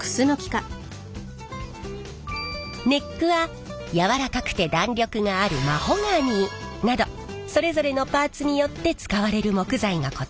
ネックは軟らかくて弾力があるマホガニーなどそれぞれのパーツによって使われる木材が異なるのです。